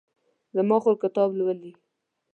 زما خور کتاب لولي